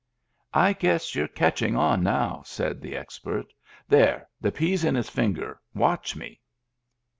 " I guess you're catching on now," said the ex pert. " There ! The pea's in his finger. Watch me.